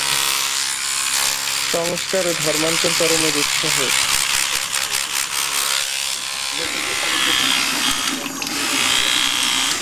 সংস্কার ও ধর্মান্তরকরণের উৎসাহে সংস্কৃত ভাষা উপেক্ষিত হইয়া লোকপ্রচলিত ভাষাসমূহের চর্চা প্রবল হইয়াছিল।